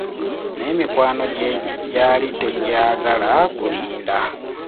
Naye mikwano gye gyali tegyagala kulinda.